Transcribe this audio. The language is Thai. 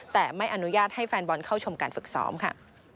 แต่ไม่อนุญาตให้แฟนบอลเข้าชมการฝึกซ้อมค่ะ